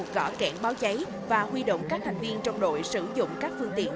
gõ kẽn báo cháy và huy động các thành viên trong đội sử dụng các phương tiện